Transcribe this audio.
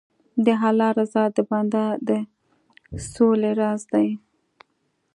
د الله رضا د بنده د سولې راز دی.